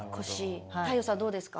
太陽さんはどうですか？